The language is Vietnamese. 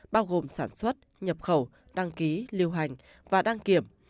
bao gồm sản xuất nhập khẩu đăng ký lưu hành và đăng kiểm